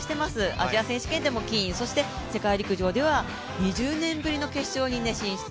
アジア選手権でも金そして世界陸上では２０年ぶりの決勝進出。